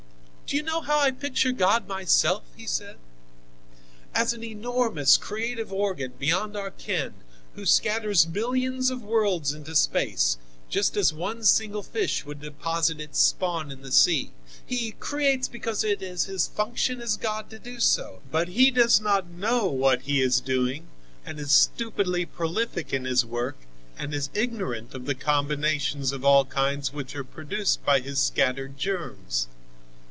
"Do you know how I picture God myself?" he said. "As an enormous, creative organ beyond our ken, who scatters millions of worlds into space, just as one single fish would deposit its spawn in the sea. He creates because it is His function as God to do so, but He does not know what He is doing and is stupidly prolific in His work and is ignorant of the combinations of all kinds which are produced by His scattered germs.